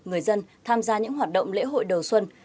người dân tham gia những hoạt động lễ hội đầu xuân